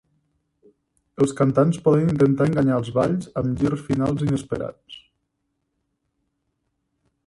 Els cantants poden intentar enganyar els balls amb girs finals inesperats.